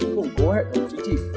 củng cố hệ thống chính trị